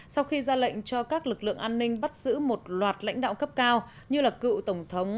sau khi ra lệnh cho các lực lượng an ninh bắt giữ một loạt lãnh đạo cấp cao như là cựu tổng thống